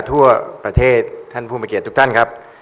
ถั่วประเทศท่านภูมิเกลียดทุกท่านครับ